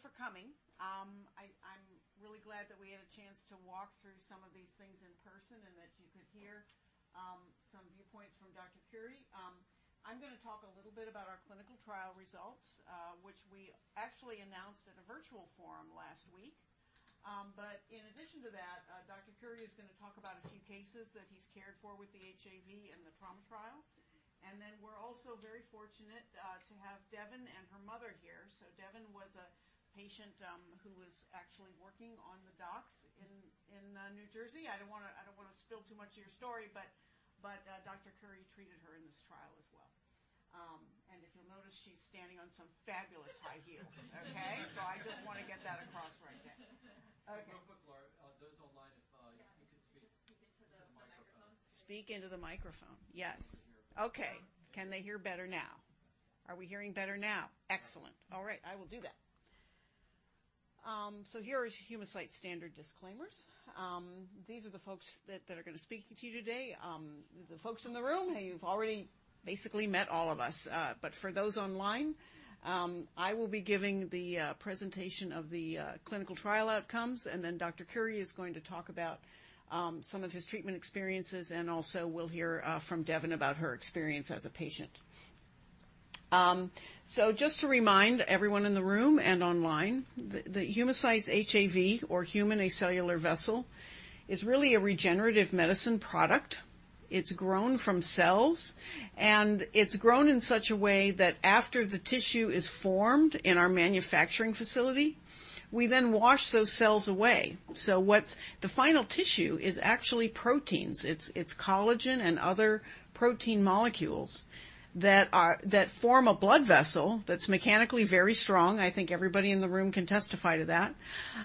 Thank you everybody for coming. I'm really glad that we had a chance to walk through some of these things in person, and that you could hear some viewpoints from Dr. Curi. I'm gonna talk a little bit about our clinical trial results, which we actually announced at a virtual forum last week. In addition to that, Dr. Curi is gonna talk about a few cases that he's cared for with the HAV and the trauma trial. We're also very fortunate to have Devin and her mother here. Devin was a patient who was actually working on the docks in New Jersey. I don't wanna, I don't wanna spill too much of your story, but Dr. Curi treated her in this trial as well. And if you'll notice, she's standing on some fabulous high heels. Okay? So I just wanna get that across right there. Okay. Real quick, Laura, those online, if you could speak- Yeah, just speak into the microphone. Speak into the microphone. Yes. We can hear. Okay, can they hear better now? Are we hearing better now? Excellent. All right, I will do that. So here are Humacyte's standard disclaimers. These are the folks that are gonna speak to you today. The folks in the room, you've already basically met all of us. But for those online, I will be giving the presentation of the clinical trial outcomes, and then Dr. Curi is going to talk about some of his treatment experiences, and also we'll hear from Devin about her experience as a patient. So just to remind everyone in the room and online, the Humacyte's HAV or human acellular vessel is really a regenerative medicine product. It's grown from cells, and it's grown in such a way that after the tissue is formed in our manufacturing facility, we then wash those cells away. The final tissue is actually proteins. It's collagen and other protein molecules that form a blood vessel that's mechanically very strong. I think everybody in the room can testify to that.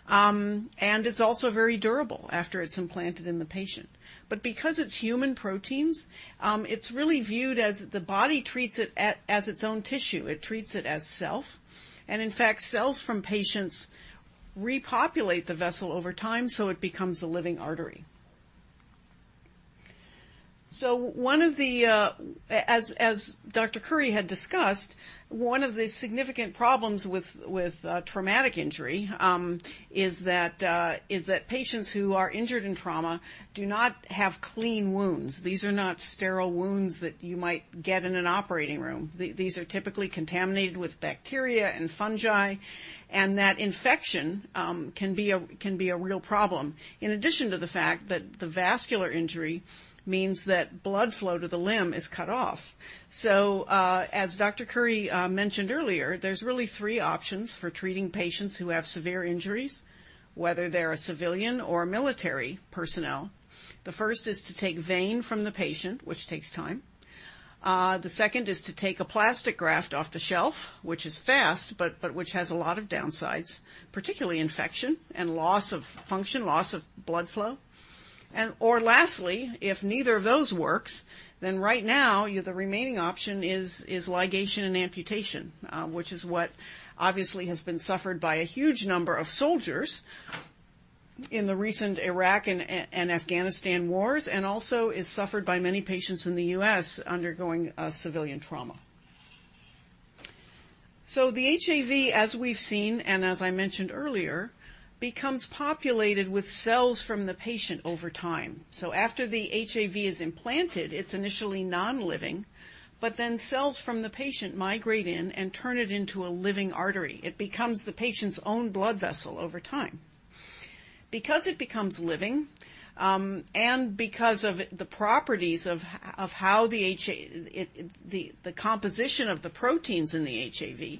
And it's also very durable after it's implanted in the patient. But because it's human proteins, it's really viewed as the body treats it as its own tissue. It treats it as self, and in fact, cells from patients repopulate the vessel over time, so it becomes a living artery. So one of the, as Dr. Curi had discussed, one of the significant problems with traumatic injury is that patients who are injured in trauma do not have clean wounds. These are not sterile wounds that you might get in an operating room. These are typically contaminated with bacteria and fungi, and that infection can be a real problem, in addition to the fact that the vascular injury means that blood flow to the limb is cut off. As Dr. Curi mentioned earlier, there's really three options for treating patients who have severe injuries, whether they're a civilian or military personnel. The first is to take vein from the patient, which takes time. The second is to take a plastic graft off the shelf, which is fast, but which has a lot of downsides, particularly infection and loss of function, loss of blood flow. And/or lastly, if neither of those works, then right now, the remaining option is ligation and amputation, which is what obviously has been suffered by a huge number of soldiers in the recent Iraq and Afghanistan wars, and also is suffered by many patients in the US undergoing a civilian trauma. So the HAV, as we've seen, and as I mentioned earlier, becomes populated with cells from the patient over time. So after the HAV is implanted, it's initially non-living, but then cells from the patient migrate in and turn it into a living artery. It becomes the patient's own blood vessel over time. Because it becomes living, and because of the properties of how the HA... The composition of the proteins in the HAV,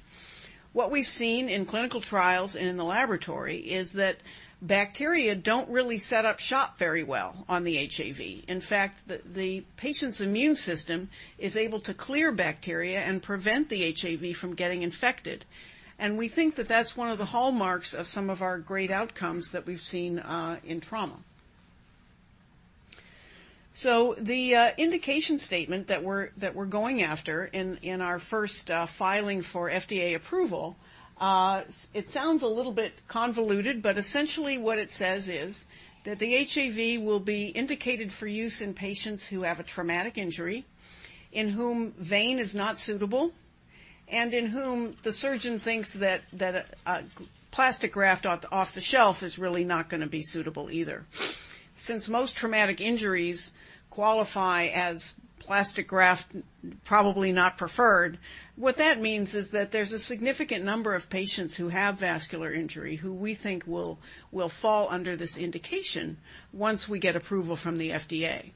what we've seen in clinical trials and in the laboratory is that bacteria don't really set up shop very well on the HAV. In fact, the patient's immune system is able to clear bacteria and prevent the HAV from getting infected, and we think that that's one of the hallmarks of some of our great outcomes that we've seen in trauma. So the indication statement that we're going after in our first filing for FDA approval, it sounds a little bit convoluted, but essentially what it says is that the HAV will be indicated for use in patients who have a traumatic injury, in whom vein is not suitable, and in whom the surgeon thinks that a plastic graft off the shelf is really not gonna be suitable either. Since most traumatic injuries qualify as plastic graft, probably not preferred, what that means is that there's a significant number of patients who have vascular injury, who we think will fall under this indication once we get approval from the FDA.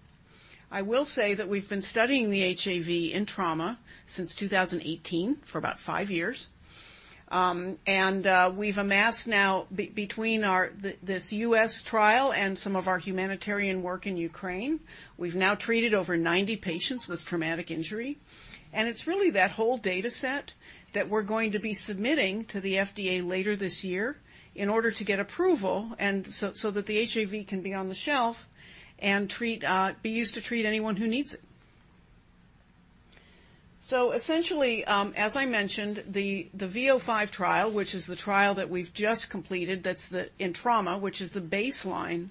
I will say that we've been studying the HAV in trauma since 2018, for about five years. We've amassed now between our this US trial and some of our humanitarian work in Ukraine, we've now treated over 90 patients with traumatic injury. And it's really that whole dataset that we're going to be submitting to the FDA later this year in order to get approval and so that the HAV can be on the shelf and treat, be used to treat anyone who needs it. So essentially, as I mentioned, the V005 trial, which is the trial that we've just completed, that's the in trauma, which is the baseline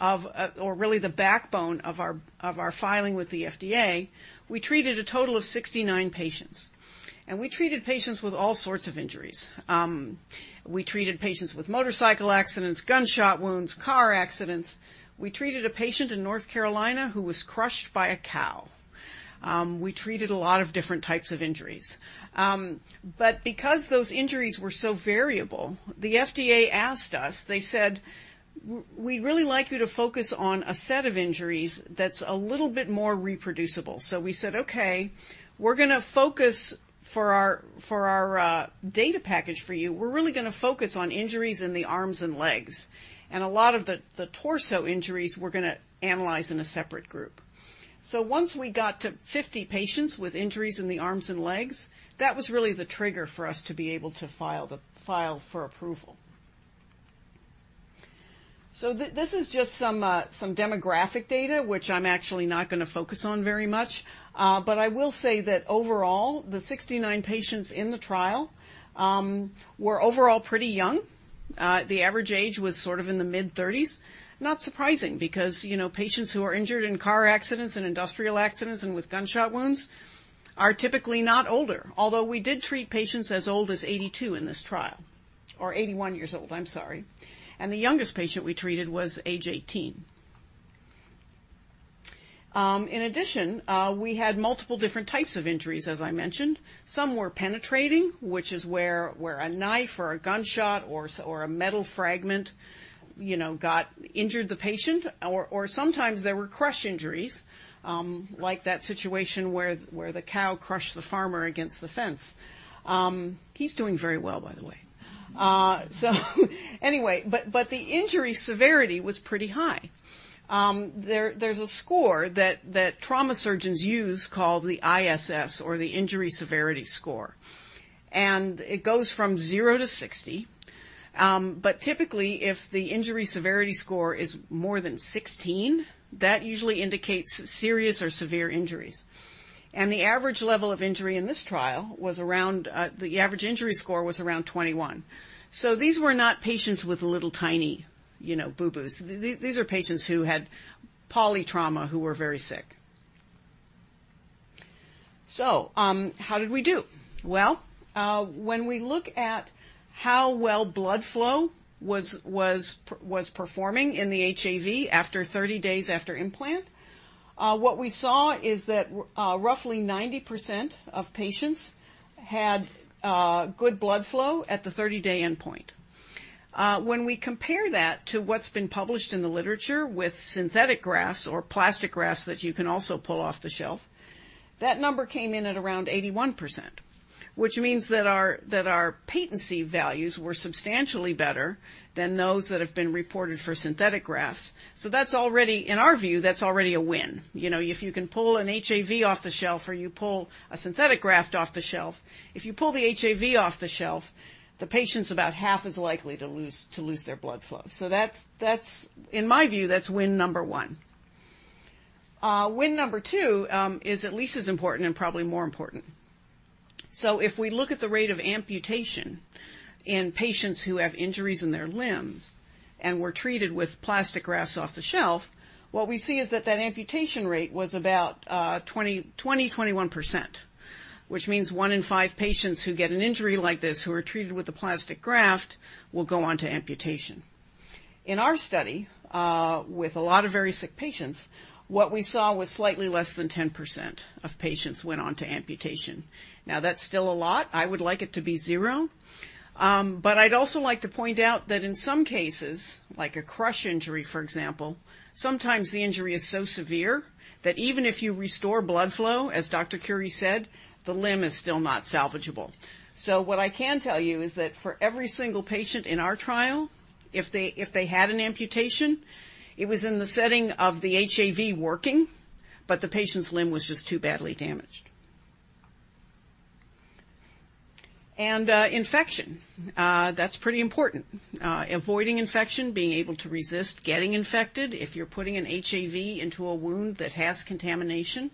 of, or really the backbone of our filing with the FDA. We treated a total of 69 patients, and we treated patients with all sorts of injuries. We treated patients with motorcycle accidents, gunshot wounds, car accidents. We treated a patient in North Carolina who was crushed by a cow. We treated a lot of different types of injuries. But because those injuries were so variable, the FDA asked us, they said, "We'd really like you to focus on a set of injuries that's a little bit more reproducible." So we said, "Okay, we're gonna focus for our data package for you, we're really gonna focus on injuries in the arms and legs, and a lot of the torso injuries we're gonna analyze in a separate group." So once we got to 50 patients with injuries in the arms and legs, that was really the trigger for us to be able to file for approval. So this is just some demographic data, which I'm actually not gonna focus on very much. But I will say that overall, the 69 patients in the trial were overall pretty young. The average age was sort of in the mid-30s. Not surprising, because, you know, patients who are injured in car accidents and industrial accidents and with gunshot wounds are typically not older, although we did treat patients as old as 82 in this trial, or 81 years old, I'm sorry, and the youngest patient we treated was age 18. In addition, we had multiple different types of injuries, as I mentioned. Some were penetrating, which is where a knife or a gunshot or a metal fragment, you know, got injured the patient or sometimes there were crush injuries, like that situation where the cow crushed the farmer against the fence. He's doing very well, by the way. But the injury severity was pretty high. There's a score that trauma surgeons use called the ISS or the Injury Severity Score, and it goes from 0 to 60. Typically, if the injury severity score is more than 16, that usually indicates serious or severe injuries. The average level of injury in this trial was around, the average injury score was around 21. These were not patients with little, tiny, you know, booboos. These are patients who had polytrauma, who were very sick. How did we do? Well, when we look at how well blood flow was performing in the HAV after 30 days after implant, what we saw is that roughly 90% of patients had good blood flow at the 30-day endpoint. When we compare that to what's been published in the literature with synthetic grafts or plastic grafts that you can also pull off the shelf, that number came in at around 81%, which means that our, that our patency values were substantially better than those that have been reported for synthetic grafts. So that's already, in our view, that's already a win. You know, if you can pull an HAV off the shelf or you pull a synthetic graft off the shelf, if you pull the HAV off the shelf, the patient's about half as likely to lose, to lose their blood flow. So that's, that's, in my view, that's win number one. Win number two is at least as important and probably more important. If we look at the rate of amputation in patients who have injuries in their limbs and were treated with plastic grafts off the shelf, what we see is that that amputation rate was about 20, 20, 21%, which means one in five patients who get an injury like this, who are treated with a plastic graft, will go on to amputation. In our study, with a lot of very sick patients, what we saw was slightly less than 10% of patients went on to amputation. Now, that's still a lot. I would like it to be zero. I would also like to point out that in some cases, like a crush injury, for example, sometimes the injury is so severe that even if you restore blood flow, as Dr. Curi said, the limb is still not salvageable. What I can tell you is that for every single patient in our trial, if they had an amputation, it was in the setting of the HAV working, but the patient's limb was just too badly damaged. Infection, that's pretty important. Avoiding infection, being able to resist getting infected. If you're putting an HAV into a wound that has contamination,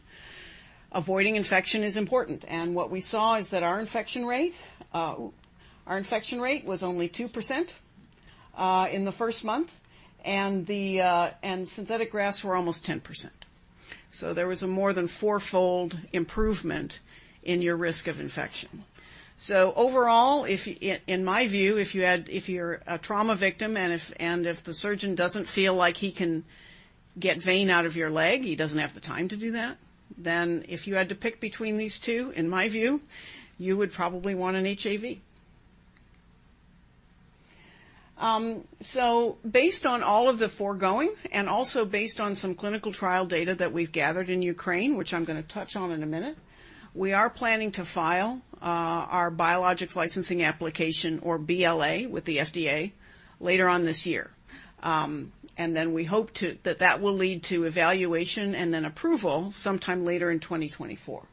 avoiding infection is important, and what we saw is that our infection rate, our infection rate was only 2% in the first month, and synthetic grafts were almost 10%. So there was a more than fourfold improvement in your risk of infection. So overall, in my view, if you're a trauma victim and if the surgeon doesn't feel like he can get vein out of your leg, he doesn't have the time to do that, then if you had to pick between these two, in my view, you would probably want an HAV. So based on all of the foregoing and also based on some clinical trial data that we've gathered in Ukraine, which I'm gonna touch on in a minute, we are planning to file our Biologics License Application or BLA with the FDA later on this year. And then we hope that that will lead to evaluation and then approval sometime later in 2024.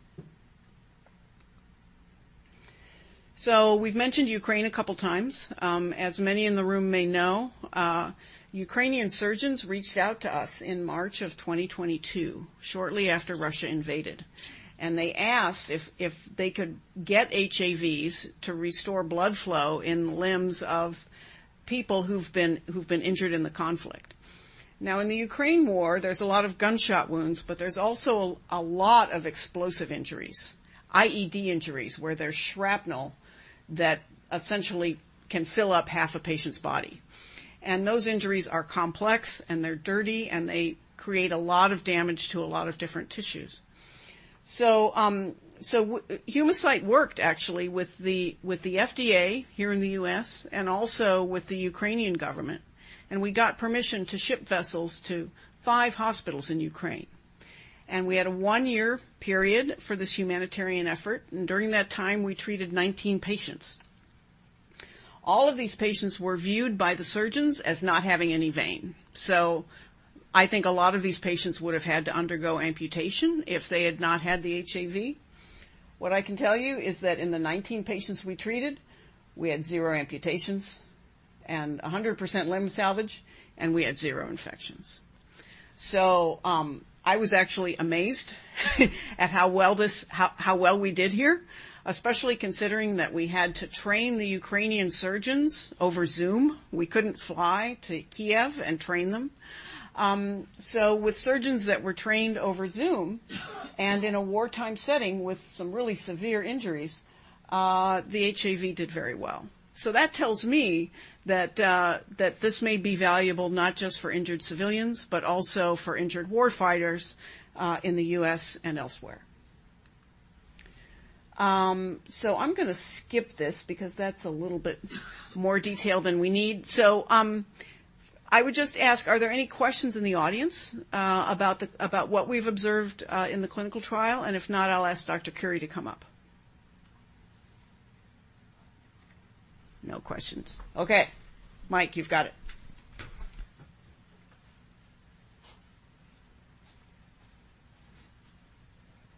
So we've mentioned Ukraine a couple times. As many in the room may know, Ukrainian surgeons reached out to us in March of 2022, shortly after Russia invaded. They asked if they could get HAVs to restore blood flow in limbs of people who've been injured in the conflict. In the Ukraine war, there's a lot of gunshot wounds, but there's also a lot of explosive injuries, IED injuries, where there's shrapnel that essentially can fill up half a patient's body. Those injuries are complex, and they're dirty, and they create a lot of damage to a lot of different tissues. Humacyte worked actually with the FDA here in the U.S. and also with the Ukrainian government, and we got permission to ship vessels to 5 hospitals in Ukraine. And we had a one-year period for this humanitarian effort, and during that time, we treated 19 patients. All of these patients were viewed by the surgeons as not having any vein. So I think a lot of these patients would have had to undergo amputation if they had not had the HAV. What I can tell you is that in the 19 patients we treated, we had 0 amputations and 100% limb salvage, and we had 0 infections. So, I was actually amazed at how well this how well we did here, especially considering that we had to train the Ukrainian surgeons over Zoom. We couldn't fly to Kyiv and train them. So with surgeons that were trained over Zoom and in a wartime setting with some really severe injuries, the HAV did very well. So that tells me that this may be valuable not just for injured civilians, but also for injured warfighters, in the U.S. and elsewhere. I'm gonna skip this because that's a little bit more detail than we need. I would just ask, are there any questions in the audience, about what we've observed, in the clinical trial? And if not, I'll ask Dr. Curi to come up. No questions. Okay, Mike, you've got it.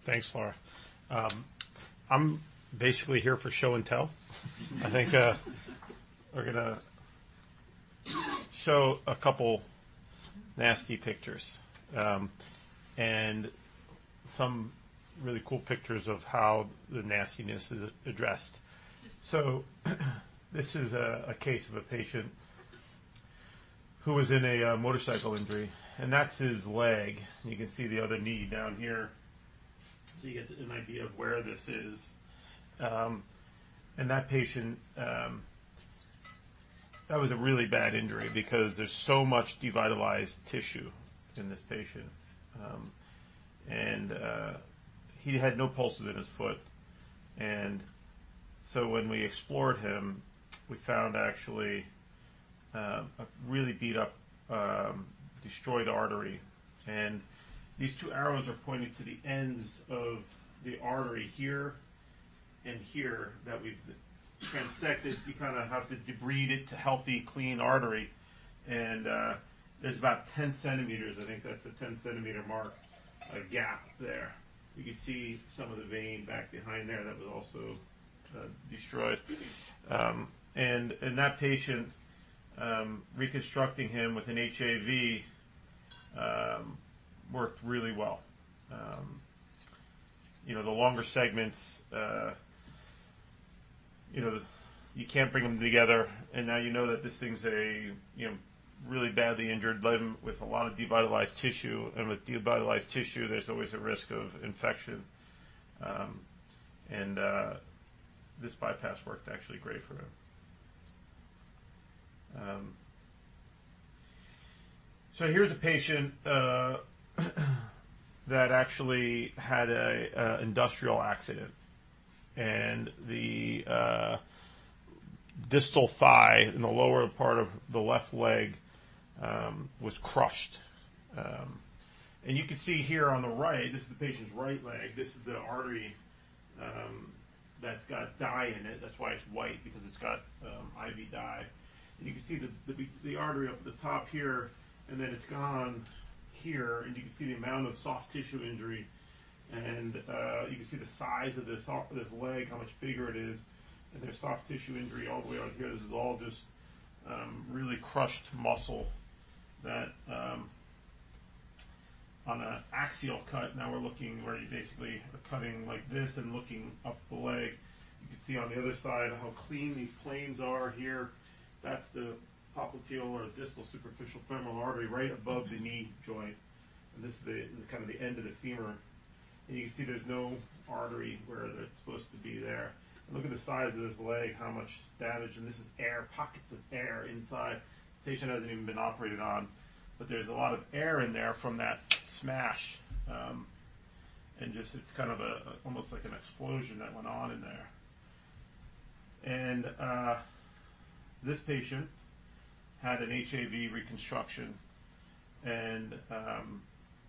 Thanks, Laura. I'm basically here for show and tell. I think, we're gonna show a couple nasty pictures, and some really cool pictures of how the nastiness is addressed. So, this is a case of a patient who was in a motorcycle injury, and that's his leg. You can see the other knee down here to get an idea of where this is. And that patient, that was a really bad injury because there's so much devitalized tissue in this patient. And, he had no pulses in his foot, and so when we explored him, we found actually, a really beat-up, destroyed artery. And these two arrows are pointing to the ends of the artery here and here that we've transected. You kinda have to debride it to healthy, clean artery. There's about 10 cm, I think that's a 10 cm mark, a gap there. You can see some of the vein back behind there that was also destroyed. That patient, reconstructing him with an HAV, worked really well. You know, the longer segments, you know, you can't bring them together. Now you know that this thing's a, you know, really badly injured limb with a lot of devitalized tissue, and with devitalized tissue, there's always a risk of infection. This bypass worked actually great for him. Here's a patient that actually had an industrial accident, and the distal thigh in the lower part of the left leg was crushed. You can see here on the right, this is the patient's right leg. This is the artery that's got dye in it. That's why it's white, because it's got IV dye. And you can see the artery up at the top here, and then it's gone here, and you can see the amount of soft tissue injury. And you can see the size of the soft - this leg, how much bigger it is, and there's soft tissue injury all the way out here. This is all just really crushed muscle that... On an axial cut, now we're looking where you basically are cutting like this and looking up the leg. You can see on the other side how clean these planes are here. That's the popliteal or distal superficial femoral artery right above the knee joint, and this is the kind of the end of the femur. And you can see there's no artery where it's supposed to be there. Look at the size of this leg, how much damage, and this is air, pockets of air inside. The patient hasn't even been operated on, but there's a lot of air in there from that smash, and just it's kind of a, almost like an explosion that went on in there. And, this patient had an HAV reconstruction and,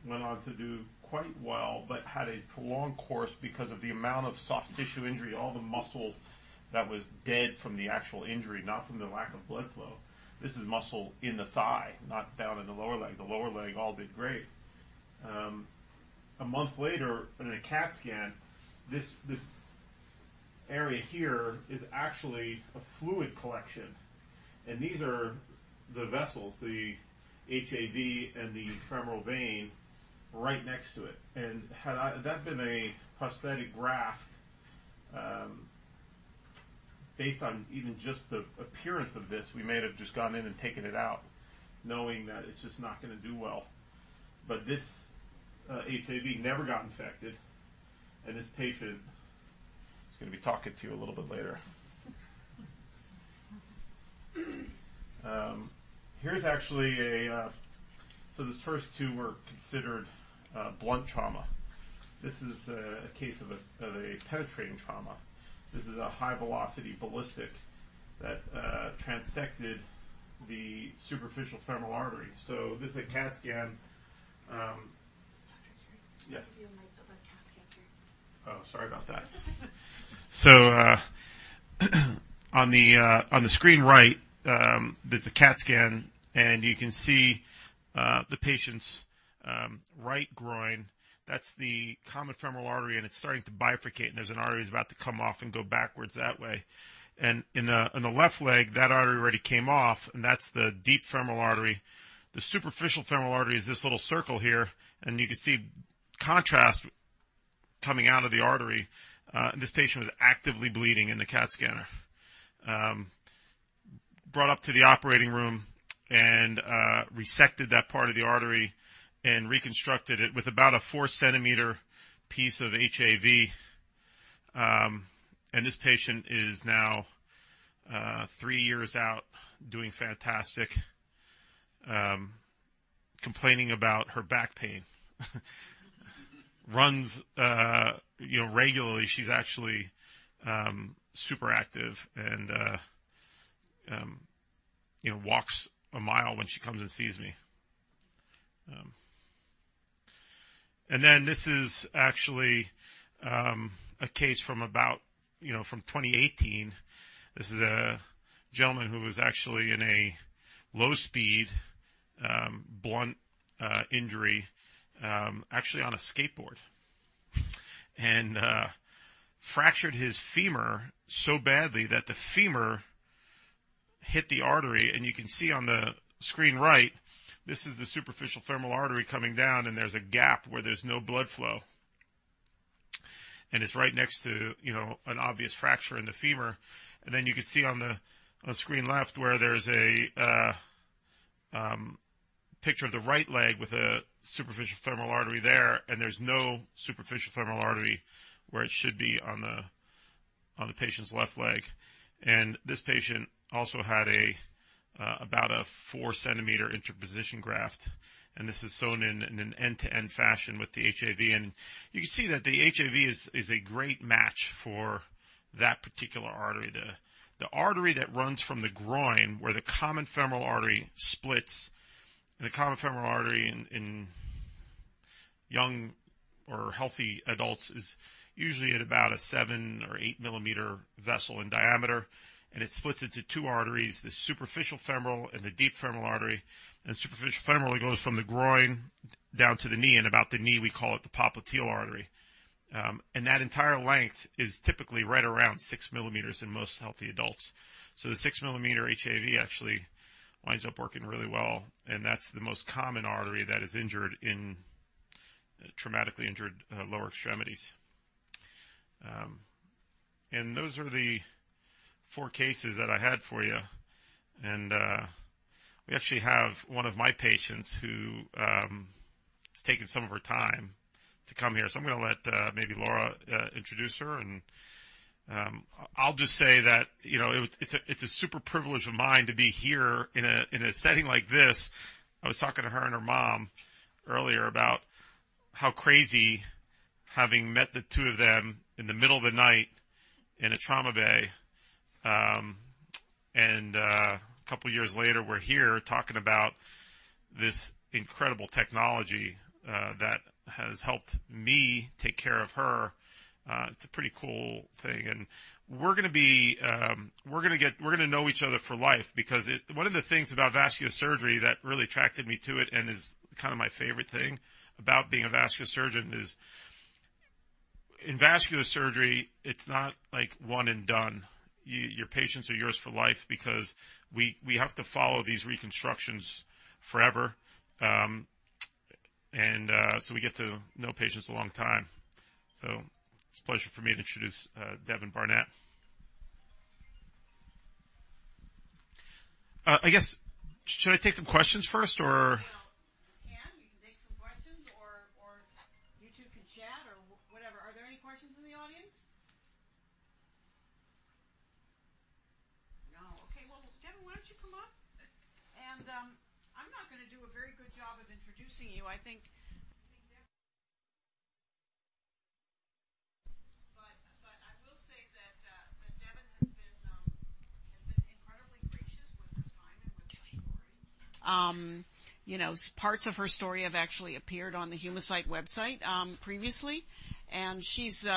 went on to do quite well but had a prolonged course because of the amount of soft tissue injury, all the muscle that was dead from the actual injury, not from the lack of blood flow. This is muscle in the thigh, not down in the lower leg. The lower leg all did great.... A month later, in a CAT scan, this, this area here is actually a fluid collection, and these are the vessels, the HAV and the femoral vein right next to it. And had that been a prosthetic graft, based on even just the appearance of this, we may have just gone in and taken it out, knowing that it's just not gonna do well. But this HAV never got infected, and this patient is gonna be talking to you a little bit later. Here's actually a... So these first two were considered blunt trauma. This is a case of a penetrating trauma. This is a high-velocity ballistic that transected the superficial femoral artery. So this is a CAT scan. Dr. Curi? Yeah. Can you dim the light of the CAT scan here? Oh, sorry about that. It's okay. On the screen right, there's a CAT scan, and you can see the patient's right groin. That's the common femoral artery, and it's starting to bifurcate, and there's an artery that's about to come off and go backwards that way. In the left leg, that artery already came off, and that's the deep femoral artery. The superficial femoral artery is this little circle here, and you can see contrast coming out of the artery. This patient was actively bleeding in the CAT scanner. Brought up to the operating room and resected that part of the artery and reconstructed it with about a 4-centimeter piece of HAV. This patient is now three years out, doing fantastic, complaining about her back pain. Runs, you know, regularly. She's actually super active and, you know, walks a mile when she comes and sees me. This is actually a case from about, you know, from 2018. This is a gentleman who was actually in a low-speed, blunt injury, actually on a skateboard, and fractured his femur so badly that the femur hit the artery. You can see on the screen right, this is the superficial femoral artery coming down, and there's a gap where there's no blood flow, and it's right next to, you know, an obvious fracture in the femur. You can see on the screen left, where there's a picture of the right leg with a superficial femoral artery there, and there's no superficial femoral artery where it should be on the patient's left leg. This patient also had a, about a 4-centimeter interposition graft, and this is sewn in in an end-to-end fashion with the HAV. You can see that the HAV is, is a great match for that particular artery. The artery that runs from the groin, where the common femoral artery splits, and the common femoral artery in young or healthy adults, is usually at about a 7 or 8-millimeter vessel in diameter, and it splits into two arteries, the superficial femoral and the deep femoral artery. The superficial femoral goes from the groin down to the knee, and about the knee, we call it the popliteal artery. That entire length is typically right around 6 millimeters in most healthy adults. So the 6-millimeter HAV actually winds up working really well, and that's the most common artery that is injured in traumatically injured lower extremities. And those are the 4 cases that I had for you. And we actually have one of my patients who has taken some of her time to come here. So I'm gonna let maybe Laura introduce her, and I'll just say that, you know, it, it's a, it's a super privilege of mine to be here in a, in a setting like this. I was talking to her and her mom earlier about how crazy, having met the two of them in the middle of the night in a trauma bay, and a couple of years later, we're here talking about this incredible technology that has helped me take care of her. It's a pretty cool thing, and we're gonna be. We're gonna know each other for life because one of the things about vascular surgery that really attracted me to it and is kind of my favorite thing about being a vascular surgeon is, in vascular surgery, it's not like one and done. Your patients are yours for life because we have to follow these reconstructions forever, and so we get to know patients a long time. So it's a pleasure for me to introduce Devin Barnett. I guess, should I take some questions first, or? You know, you can. You can take some questions, or, or you two can chat, or whatever. Are there any questions in the audience? No. Okay. Well, Devin, why don't you come up? And, I'm not gonna do a very good job of introducing you. I think. But, but I will say that, that Devin has been, has been incredibly gracious with her time and with her story. You know, some parts of her story have actually appeared on the Humacyte website, previously, and she's...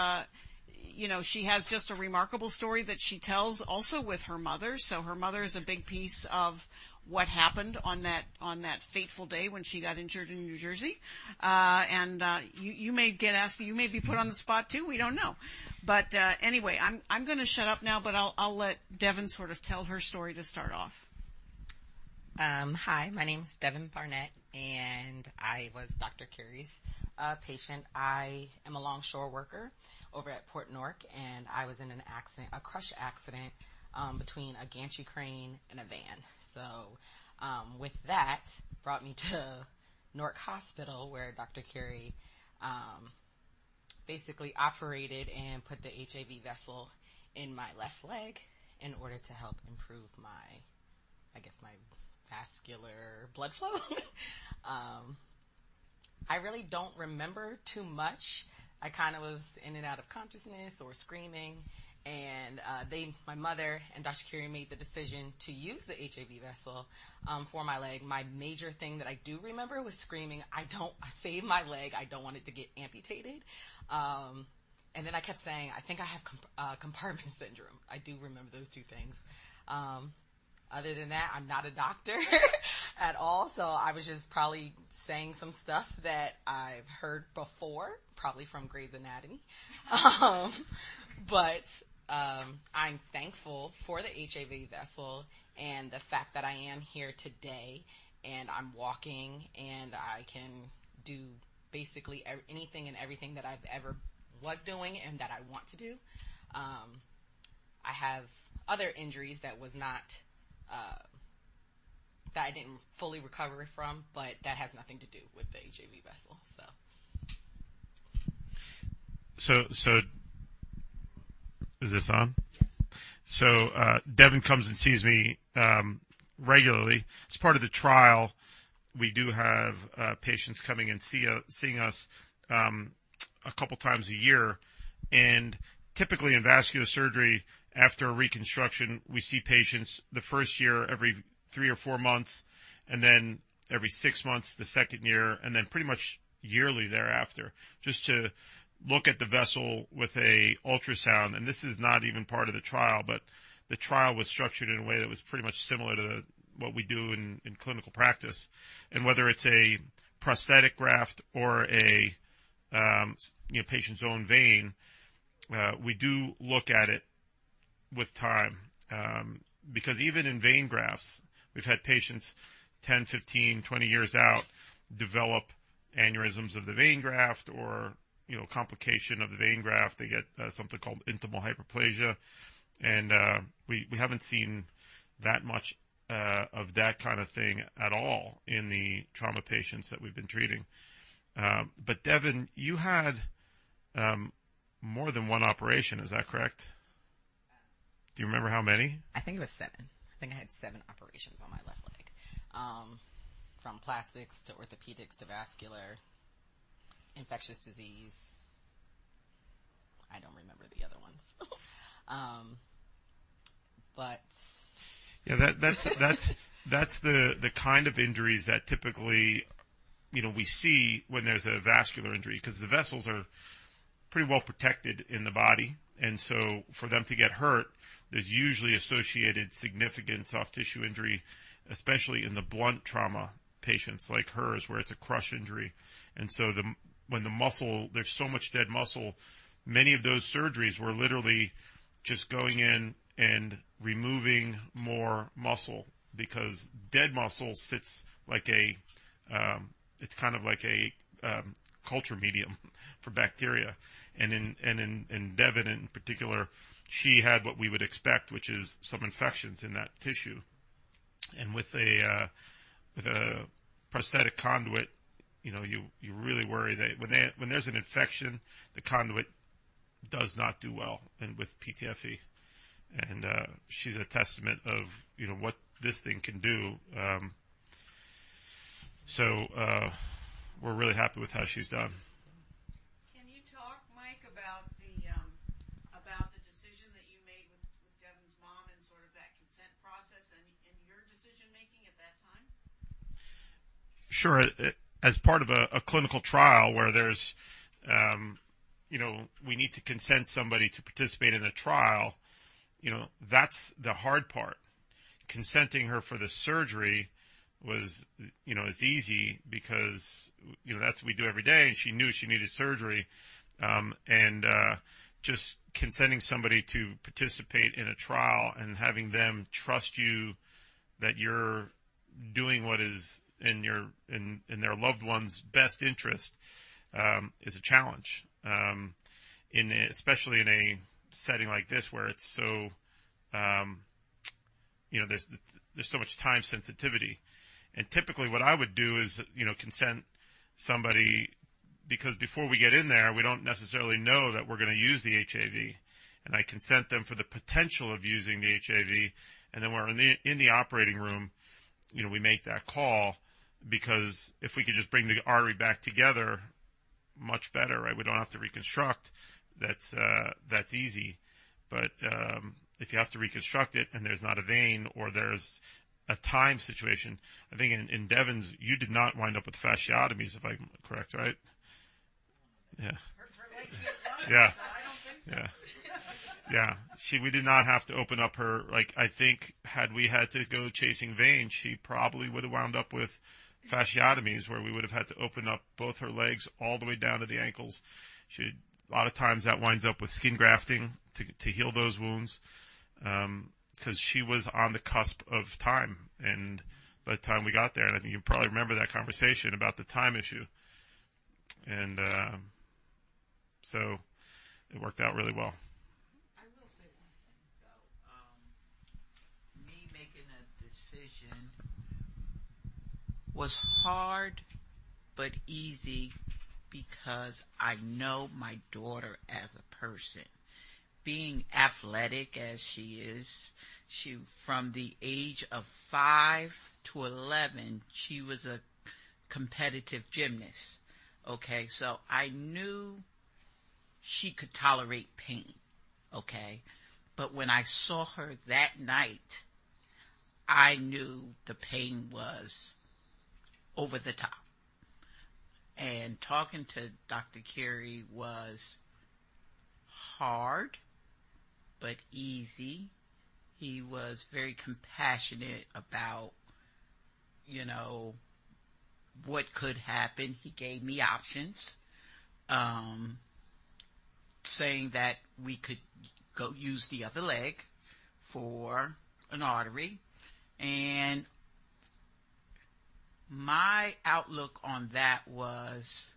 you know, she has just a remarkable story that she tells also with her mother. So her mother is a big piece of what happened on that fateful day when she got injured in New Jersey. And you may get asked, you may be put on the spot, too. We don't know. But anyway, I'm gonna shut up now, but I'll let Devin sort of tell her story to start off. Hi, my name is Devin Barnett, and I was Dr. Curi's patient. I am a longshore worker over at Port Newark, and I was in an accident, a crush accident, between a gantry crane and a van. So, with that, brought me to Newark Hospital, where Dr. Curi basically operated and put the HAV vessel in my left leg in order to help improve my, I guess, my vascular blood flow. I really don't remember too much. I kinda was in and out of consciousness or screaming, and they, my mother and Dr. Curi made the decision to use the HAV vessel for my leg. My major thing that I do remember was screaming, "I don't... Save my leg. I don't want it to get amputated." And then I kept saying: "I think I have compartment syndrome." I do remember those two things. Other than that, I'm not a doctor, at all, so I was just probably saying some stuff that I've heard before, probably from Grey's Anatomy. But, I'm thankful for the HAV vessel and the fact that I am here today, and I'm walking, and I can do basically anything and everything that I've ever was doing and that I want to do. I have other injuries that was not, that I didn't fully recover from, but that has nothing to do with the HAV vessel, so. So... Is this on? Yes. So, Devin comes and sees me, regularly. As part of the trial, we do have, patients coming and see us, seeing us, a couple times a year. And typically, in vascular surgery, after a reconstruction, we see patients the first year, every three or four months, and then every six months, the second year, and then pretty much yearly thereafter, just to look at the vessel with an ultrasound. And this is not even part of the trial, but the trial was structured in a way that was pretty much similar to the, what we do in clinical practice. And whether it's a prosthetic graft or a, patient's own vein, we do look at it with time. Because even in vein grafts, we've had patients 10, 15, 20 years out, develop aneurysms of the vein graft or, you know, complication of the vein graft. They get something called Iintimal hyperplasia, and we haven't seen that much of that kind of thing at all in the trauma patients that we've been treating. But Devin, you had more than one operation, is that correct? Yes. Do you remember how many? I think it was seven. I think I had seven operations on my left leg, from plastics to orthopedics to vascular, infectious disease. I don't remember the other ones. But- Yeah, that's the kind of injuries that typically, you know, we see when there's a vascular injury, because the vessels are pretty well protected in the body, and so for them to get hurt, there's usually associated significant soft tissue injury, especially in the blunt trauma patients like hers, where it's a crush injury. And so when the muscle... There's so much dead muscle, many of those surgeries were literally just going in and removing more muscle because dead muscle sits like a... It's kind of like a culture medium for bacteria. And in Devin, in particular, she had what we would expect, which is some infections in that tissue. And with a prosthetic conduit, you know, you really worry that when there's an infection, the conduit does not do well and with PTFE. And, she's a testament of, you know, what this thing can do. So, we're really happy with how she's done. Can you talk, Mike, about the decision that you made with Devin's mom and sort of that consent process and your decision-making at that time? Sure. As part of a clinical trial where there's, you know, we need to consent somebody to participate in a trial, you know, that's the hard part. Consenting her for the surgery was, you know, is easy because, you know, that's what we do every day, and she knew she needed surgery. And just consenting somebody to participate in a trial and having them trust you that you're doing what is in your, in their loved one's best interest, is a challenge. In a, especially in a setting like this, where it's so, you know, there's so much time sensitivity. And typically, what I would do is, you know, consent somebody, because before we get in there, we don't necessarily know that we're gonna use the HAV, and I consent them for the potential of using the HAV, and then when we're in the operating room, you know, we make that call, because if we could just bring the artery back together, much better, right? We don't have to reconstruct. That's, that's easy. But, if you have to reconstruct it and there's not a vein or there's a time situation... I think in Devin's, you did not wind up with fasciotomies, if I'm correct, right?...Yeah. Her leg, she had done it. Yeah. I don't think so. Yeah. Yeah, we did not have to open up her. Like, I think had we had to go chasing veins, she probably would have wound up with fasciotomies, where we would have had to open up both her legs all the way down to the ankles. She, a lot of times, that winds up with skin grafting to heal those wounds. 'Cause she was on the cusp of time, and by the time we got there, and I think you probably remember that conversation about the time issue. So it worked out really well. I will say one thing, though. Me making a decision was hard but easy because I know my daughter as a person. Being athletic as she is, she from the age of 5 to 11, she was a competitive gymnast. Okay? I knew she could tolerate pain. Okay? When I saw her that night, I knew the pain was over the top. Talking to Dr. Curi was hard, but easy. He was very compassionate about, you know, what could happen. He gave me options, saying that we could go use the other leg for an artery, and my outlook on that was,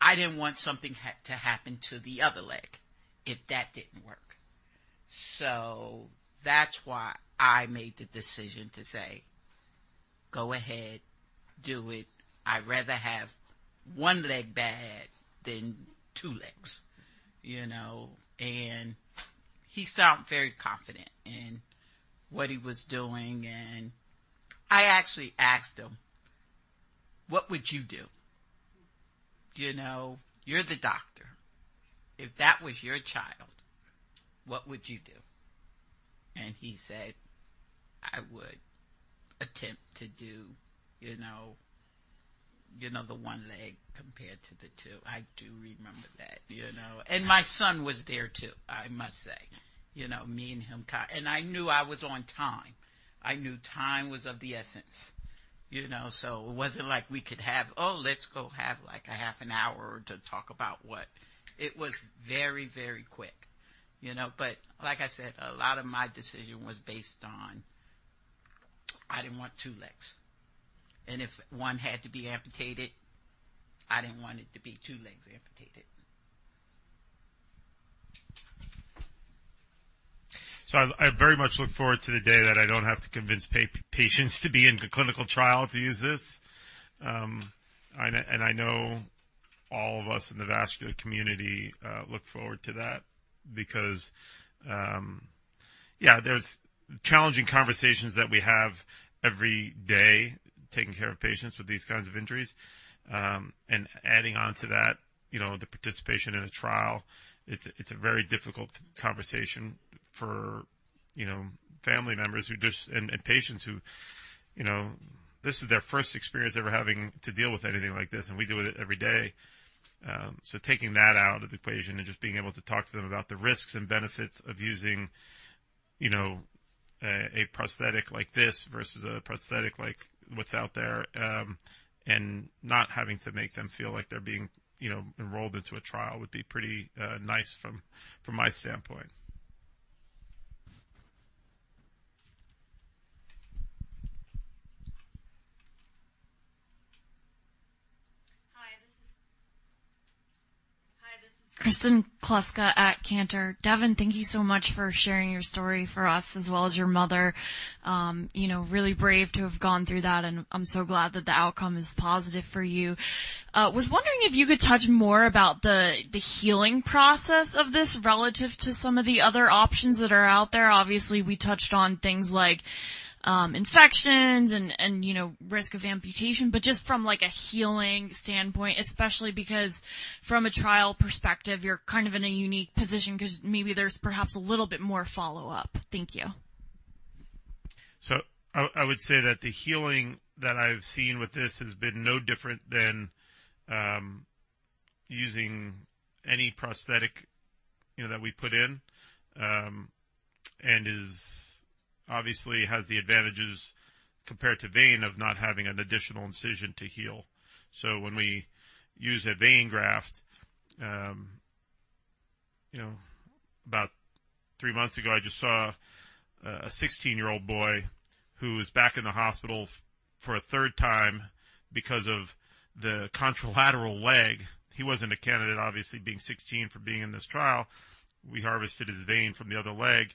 I didn't want something to happen to the other leg if that didn't work. That's why I made the decision to say, "Go ahead, do it. I'd rather have one leg bad than two legs." You know? He sound very confident in what he was doing, and I actually asked him, "What would you do? You know, you're the doctor. If that was your child, what would you do?" He said, "I would attempt to do, you know, you know, the one leg compared to the two." I do remember that, you know. My son was there, too, I must say. You know, me and him. I knew I was on time. I knew time was of the essence, you know, so it wasn't like we could have, "Oh, let's go have, like, a half an hour to talk about what..." It was very, very quick, you know? But like I said, a lot of my decision was based on I didn't want two legs, and if one had to be amputated, I didn't want it to be two legs amputated. I very much look forward to the day that I don't have to convince patients to be in a clinical trial to use this. I know all of us in the vascular community look forward to that because, yeah, there's challenging conversations that we have every day, taking care of patients with these kinds of injuries. Adding on to that, you know, the participation in a trial, it's a very difficult conversation for, you know, family members who just-- and, and patients who, you know, this is their first experience ever having to deal with anything like this, and we deal with it every day. Taking that out of the equation and just being able to talk to them about the risks and benefits of using, you know, a prosthetic like this versus a prosthetic like what's out there, and not having to make them feel like they're being, you know, enrolled into a trial would be pretty, uh, nice from, from my standpoint. Hi, this is Kristen Kluska at Cantor. Devin, thank you so much for sharing your story for us, as well as your mother. You know, really brave to have gone through that, and I'm so glad that the outcome is positive for you. Was wondering if you could touch more about the, the healing process of this relative to some of the other options that are out there. Obviously, we touched on things like, infections and, and, you know, risk of amputation, but just from, like, a healing standpoint, especially because from a trial perspective, you're kind of in a unique position 'cause maybe there's perhaps a little bit more follow-up. Thank you. So I would say that the healing that I've seen with this has been no different than using any prosthetic, you know, that we put in. And it obviously has the advantages compared to vein, of not having an additional incision to heal. So when we use a vein graft, you know, about three months ago, I just saw a 16-year-old boy who was back in the hospital for a third time because of the contralateral leg. He wasn't a candidate, obviously, being 16, for being in this trial. We harvested his vein from the other leg.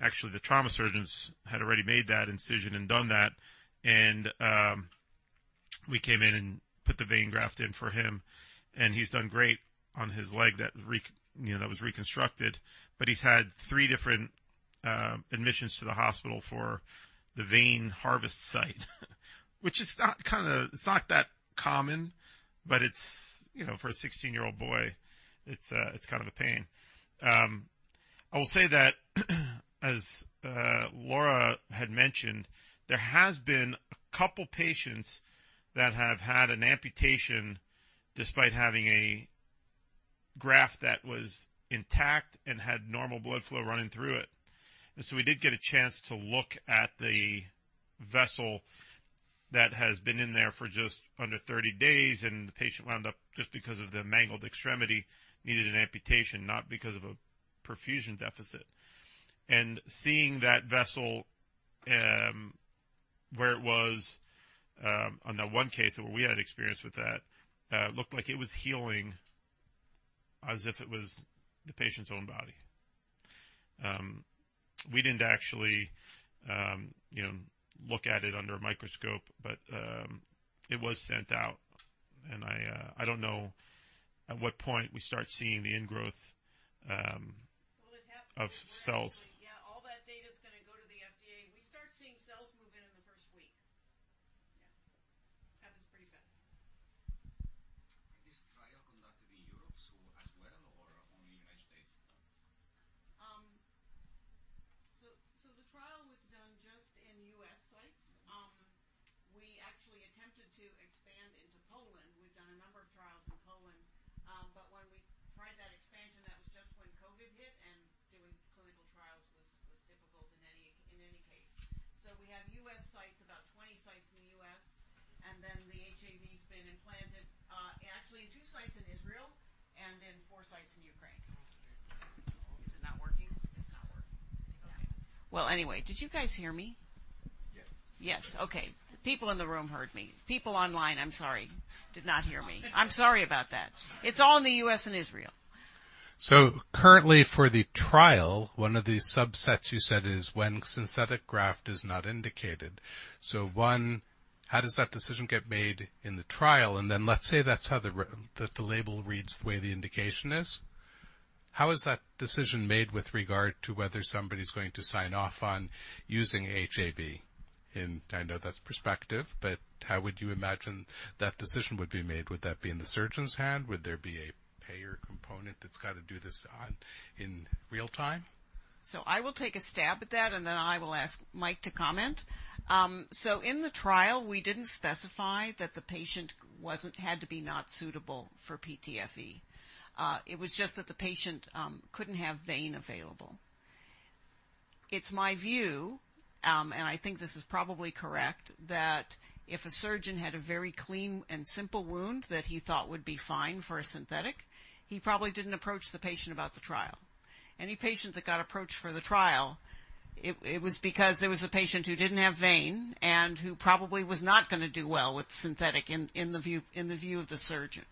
Actually, the trauma surgeons had already made that incision and done that, and we came in and put the vein graft in for him, and he's done great on his leg that you know, that was reconstructed. He's had three different admissions to the hospital for the vein harvest site, which is not kind of... It's not that common, but it's, you know, for a 16-year-old boy, it's kind of a pain. I will say that as Laura had mentioned, there has been a couple patients that have had an amputation despite having a graft that was intact and had normal blood flow running through it. We did get a chance to look at the vessel that has been in there for just under 30 days, and the patient wound up, just because of the mangled extremity, needed an amputation, not because of a perfusion deficit. Seeing that vessel, where it was, on that one case where we had experience with that, it looked like it was healing as if it was the patient's own body. We didn't actually, you know, look at it under a microscope, but it was sent out, and I, I don't know at what point we start seeing the ingrowth of cells. Yeah. All that data is gonna go to the FDA. We start seeing cells move in in the first week. Yeah. Happens pretty fast. Is trial conducted in Europe so as well, or only United States? So the trial was done just in U.S. sites. We actually attempted to expand into Poland. We've done a number of trials in Poland. But when we tried that expansion, that was just when COVID hit, and doing clinical trials was difficult in any case. So we have U.S. sites, about 20 sites in the U.S., and then the HAV's been implanted, actually in 2 sites in Israel and in 4 sites in Ukraine. Is it not working? It's not working. Well, anyway, did you guys hear me? Yes. Yes. Okay. People in the room heard me. People online, I'm sorry, did not hear me. I'm sorry about that. It's all in the U.S. and Israel. Currently, for the trial, one of the subsets you said is when synthetic graft is not indicated. One, how does that decision get made in the trial? Let's say that's how the label reads, the way the indication is, how is that decision made with regard to whether somebody's going to sign off on using HAV? I know that's perspective, but how would you imagine that decision would be made? Would that be in the surgeon's hand? Would there be a payer component that's got to do this on in real time? So I will take a stab at that, and then I will ask Mike to comment. So in the trial, we didn't specify that the patient had to be not suitable for PTFE. It was just that the patient couldn't have vein available. It's my view, and I think this is probably correct, that if a surgeon had a very clean and simple wound that he thought would be fine for a synthetic, he probably didn't approach the patient about the trial. Any patient that got approached for the trial, it was because there was a patient who didn't have vein and who probably was not gonna do well with synthetic in the view of the surgeon.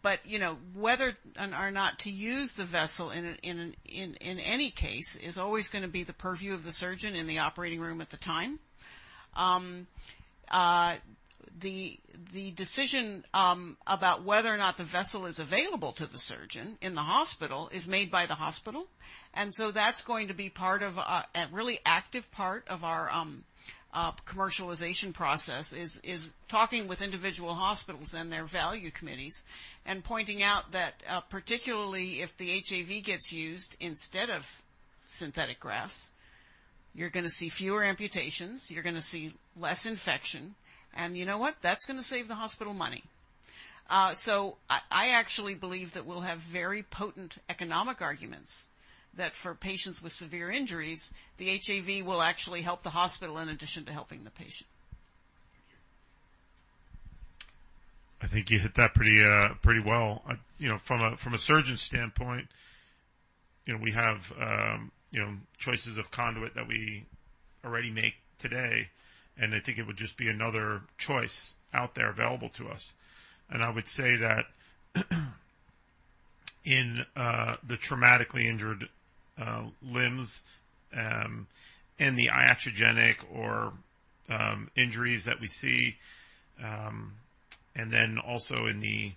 But, you know, whether or not to use the vessel in an, in an... In any case, it is always going to be the purview of the surgeon in the operating room at the time. The decision about whether or not the vessel is available to the surgeon in the hospital is made by the hospital. That is going to be a really active part of our commercialization process, talking with individual hospitals and their value committees and pointing out that, particularly if the HAV gets used instead of synthetic grafts, you are going to see fewer amputations, you are going to see less infection, and you know what? That is going to save the hospital money. I actually believe that we will have very potent economic arguments, that for patients with severe injuries, the HAV will actually help the hospital in addition to helping the patient. I think you hit that pretty, pretty well. You know, from a surgeon standpoint, you know, we have, you know, choices of conduit that we already make today, and I think it would just be another choice out there available to us. And I would say that in the traumatically injured limbs and the iatrogenic or injuries that we see, and then also in the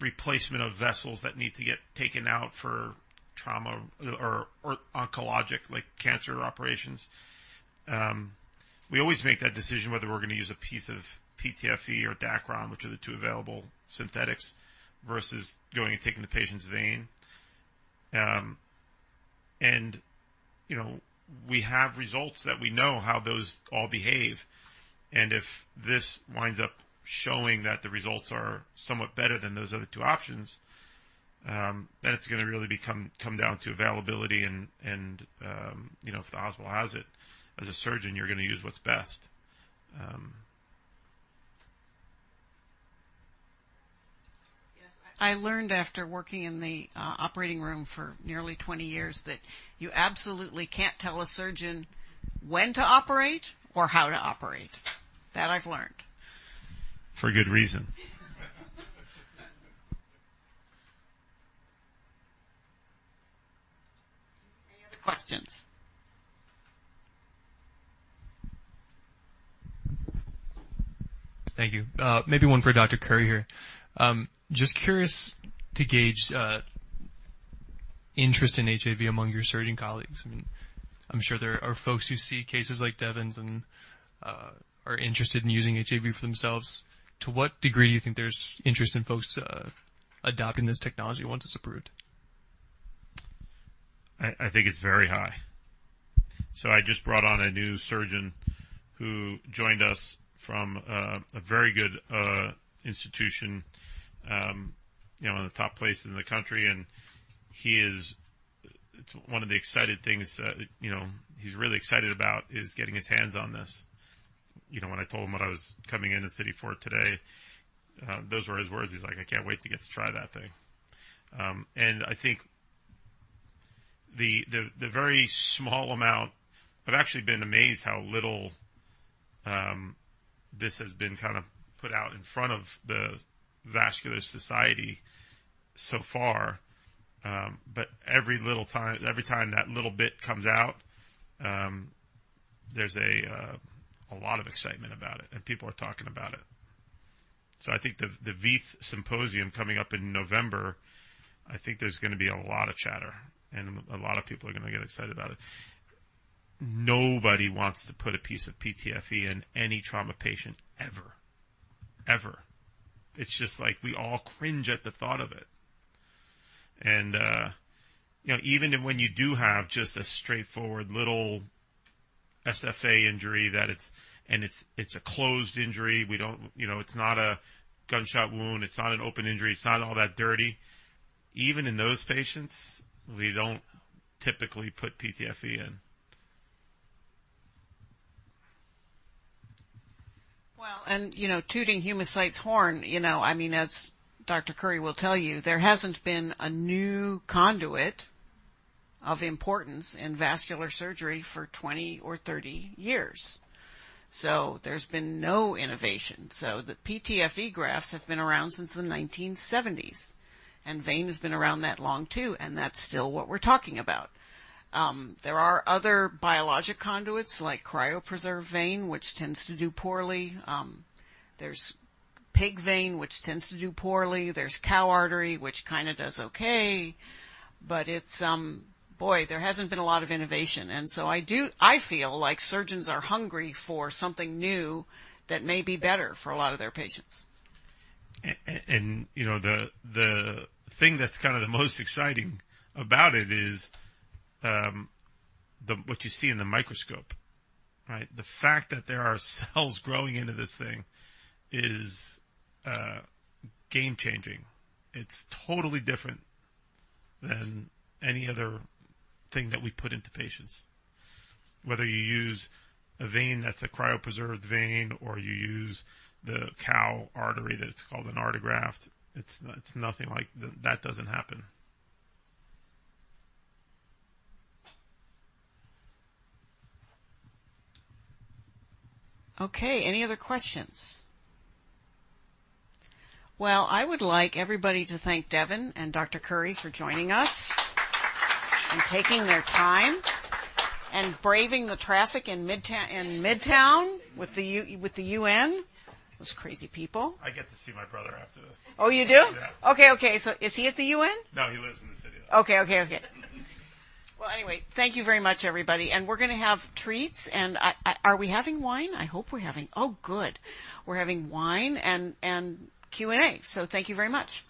replacement of vessels that need to get taken out for trauma or oncologic, like cancer operations. We always make that decision whether we're gonna use a piece of PTFE or Dacron, which are the two available synthetics, versus going and taking the patient's vein. And, you know, we have results that we know how those all behave, and if this winds up showing that the results are somewhat better than those other two options, then it's gonna really become, come down to availability and, and, you know, if the hospital has it. As a surgeon, you're gonna use what's best. Yes. I learned after working in the operating room for nearly 20 years, that you absolutely can't tell a surgeon when to operate or how to operate. That I've learned. For good reason. Any other questions? Thank you. Maybe one for Dr. Curi here. Just curious to gauge interest in HAV among your surgeon colleagues. I mean, I'm sure there are folks who see cases like Devin's and are interested in using HAV for themselves. To what degree do you think there's interest in folks adopting this technology once it's approved? I think it's very high. I just brought on a new surgeon who joined us from a very good institution, you know, in the top places in the country, and he is—one of the exciting things that, you know, he's really excited about is getting his hands on this. You know, when I told him what I was coming into the city for today, those were his words. He's like: "I can't wait to get to try that thing." I think the very small amount... I've actually been amazed how little this has been kind of put out in front of the vascular society so far. Every time that little bit comes out, there's a lot of excitement about it, and people are talking about it. So I think the VEITHsymposium coming up in November, I think there's gonna be a lot of chatter, and a lot of people are gonna get excited about it. Nobody wants to put a piece of PTFE in any trauma patient ever, ever. It's just like, we all cringe at the thought of it. And, you know, even if when you do have just a straightforward little SFA injury, that it's... And it's a closed injury, we don't you know, it's not a gunshot wound, it's not an open injury, it's not all that dirty. Even in those patients, we don't typically put PTFE in. Well, and, you know, tooting Humacyte's horn, you know, I mean, as Dr. Curi will tell you, there hasn't been a new conduit of importance in vascular surgery for 20 or 30 years. So there's been no innovation. So the PTFE grafts have been around since the 1970s, and vein has been around that long, too, and that's still what we're talking about. There are other biologic conduits, like cryopreserved vein, which tends to do poorly. There's pig vein, which tends to do poorly. There's cow artery, which kind of does okay, but it's... Boy, there hasn't been a lot of innovation, and so I feel like surgeons are hungry for something new that may be better for a lot of their patients. And, you know, the thing that's kind of the most exciting about it is, what you see in the microscope, right? The fact that there are cells growing into this thing is, game changing. It's totally different than any other thing that we put into patients. Whether you use a vein that's a cryopreserved vein, or you use the cow artery that's called an Artegraft, it's nothing like... That doesn't happen. Okay, any other questions? Well, I would like everybody to thank Devin and Dr. Curi for joining us. And taking their time and braving the traffic in Midtown with the UN. Those crazy people. I get to see my brother after this. Oh, you do? Yeah. Okay, okay. So is he at the UN? No, he lives in the city. Okay, okay, okay. Well, anyway, thank you very much, everybody, and we're gonna have treats, and... Are we having wine? I hope we're having. Oh, good! We're having wine and, and Q&A. So thank you very much. Thank you.